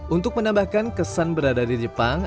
untuk menambahkan kesan berada di jepang